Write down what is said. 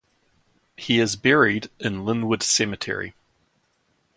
He is buried in Linwood Cemetery.